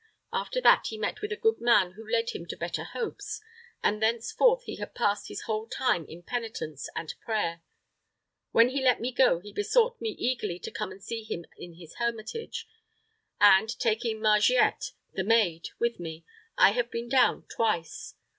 After that, he met with a good man who led him to better hopes, and thenceforth he had passed his whole time in penitence and prayer. When he let me go, he besought me eagerly to come and see him in his hermitage, and, taking Margiette, the maid with me, I have been down twice.